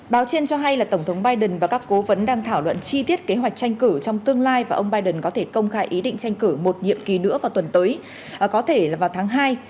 báo trên cho hay là tổng thống biden và các cố vấn đang thảo luận chi tiết kế hoạch tranh cử trong tương lai và ông biden có thể công khai ý định tranh cử một nhiệm kỳ nữa vào tuần tới có thể là vào tháng hai